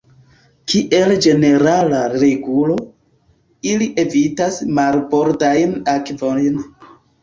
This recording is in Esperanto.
Kiel ĝenerala regulo, ili evitas marbordajn akvojn.